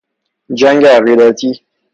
جنگ عقیدتی